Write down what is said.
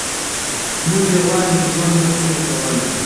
موږ یوازې ژوند نه شو کولای.